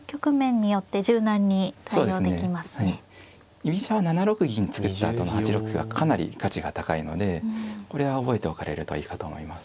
居飛車は７六銀作ったあとの８六歩はかなり価値が高いのでこれは覚えておかれるといいかと思います。